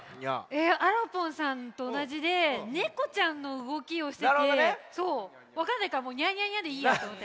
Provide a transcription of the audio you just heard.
えあらぽんさんとおなじでねこちゃんのうごきをしててわかんないからもう「ニャニャニャ」でいいやとおもって。